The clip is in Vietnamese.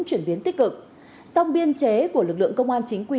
chuyển biến tích cực song biên chế của lực lượng công an chính quy